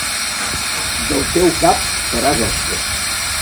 Del teu cap faràs osques.